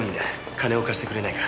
金を貸してくれないか。